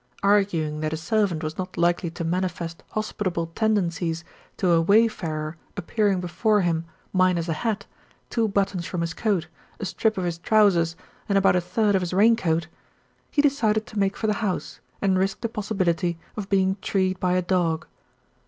Arguing that a servant was not likely to manifest hospitable tendencies to a wayfarer appearing before him minus a hat, two buttons from his coat, a strip of his trousers and about a third of his rain coat, he decided to make for the house and risk the possibility of being treed by a dog.